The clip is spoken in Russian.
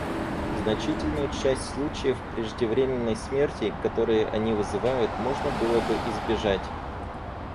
Значительную часть случаев преждевременной смерти, которые они вызывают, можно было бы избежать.